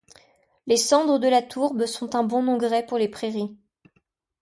Les cendres de la tourbe sont un bon engrais pour les prairies.